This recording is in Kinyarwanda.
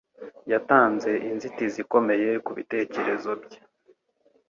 Yatanze inzitizi ikomeye ku bitekerezo bye